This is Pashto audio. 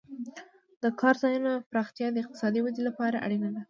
د کار ځایونو پراختیا د اقتصادي ودې لپاره اړینه ده.